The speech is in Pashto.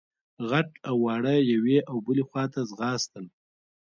غټ او واړه يوې او بلې خواته ځغاستل.